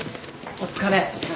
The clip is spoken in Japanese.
お疲れ。